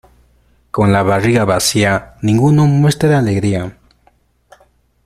Con la barriga vacía, ninguno muestra alegría.